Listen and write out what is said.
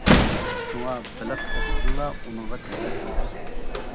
شۇڭا بېلىق ئەسلىدىلا ئۇنىڭغا تەۋە ئەمەس.